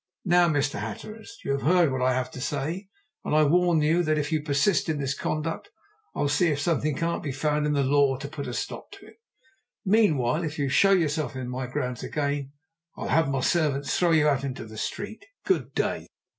Now, Mr. Hatteras, you have heard what I have to say, and I warn you that, if you persist in this conduct, I'll see if something can't be found in the law to put a stop to it. Meanwhile, if you show yourself in my grounds again, I'll have my servants throw you out into the street! Good day."